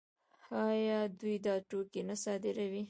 آیا دوی دا توکي نه صادروي؟